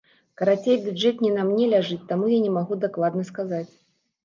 Карацей, бюджэт не на мне ляжыць, таму я не магу дакладна сказаць.